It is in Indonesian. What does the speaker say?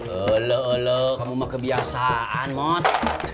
elok elok kamu mah kebiasaan mot